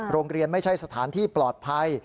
โรงเรียนไม่ใช่สถานที่ปลอดภัย